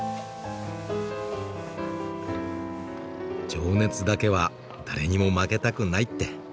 「情熱だけは誰にも負けたくない」って。